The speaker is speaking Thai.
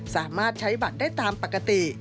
สามารถใช้บัตรได้ตามปกติ